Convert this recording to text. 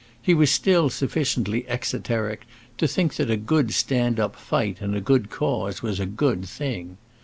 He was still sufficiently exoteric to think that a good stand up fight in a good cause was a good thing.